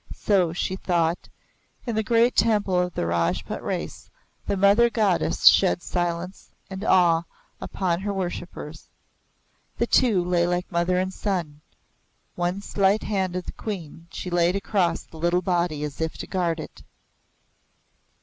So, she thought, in the great temple of the Rajput race, the Mother Goddess shed silence and awe upon her worshippers. The two lay like mother and son one slight hand of the Queen she laid across the little body as if to guard it.